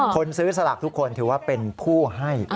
คนซื้อสลากทุกคนถือว่าเป็นผู้ให้